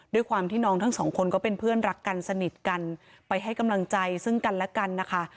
ด้วยความที่น้องทั้งสองคนก็เป็นเพื่อนรักกันสนิทกันไปให้กำลังใจซึ่งกันและกันนะคะ